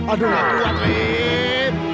aduh nggak kuat rep